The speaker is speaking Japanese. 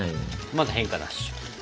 まだ変化なし。